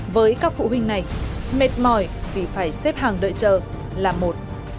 với các phụ huynh này mệt mỏi vì phải xếp hàng đợi chờ là một